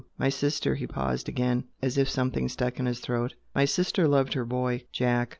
My sister" he paused again, as if something stuck in his throat; "My sister loved her boy, Jack.